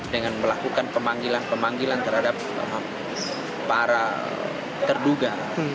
dengan melakukan pemanggilan pemanggilan terhadap para terduga